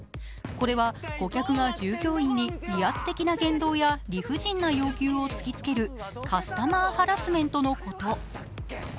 これは顧客が従業員に威圧的な言動や理不尽の要求を突きつけるカスタマーハラスメントのこと。